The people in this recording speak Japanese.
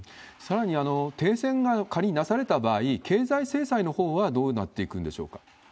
さらに、停戦が仮になされた場合、経済制裁のほうはどうなっていくんでしょうか。